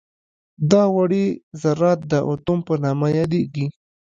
دا وړې ذرات د اتوم په نامه یادیږي.